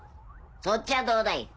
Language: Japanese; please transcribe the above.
そっちはどうだい？